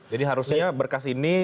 jadi harusnya berkas ini